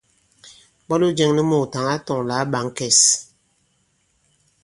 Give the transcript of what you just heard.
Ìbwalo jɛ̄ŋ nu muùtaŋ a tɔ̄ŋ lā ǎ ɓā ŋ̀kɛs.